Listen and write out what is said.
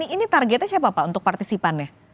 ini targetnya siapa pak untuk partisipannya